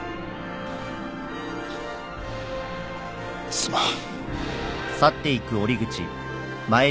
すまん。